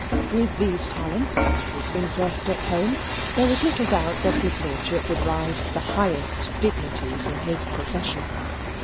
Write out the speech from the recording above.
With these talents, and his interest at home, there was little doubt that his lordship would rise to the highest dignities in his profession.